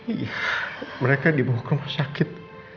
iya mereka dibawa ke rumah sakit